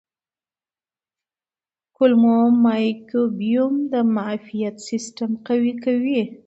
کولمو مایکروبیوم د معافیت سیستم قوي کوي.